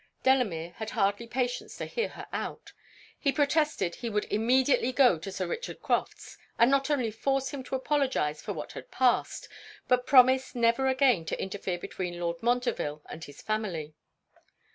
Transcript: Delamere had hardly patience to hear her out. He protested he would immediately go to Sir Richard Crofts, and not only force him to apologize for what had passed, but promise never again to interfere between Lord Montreville and his family.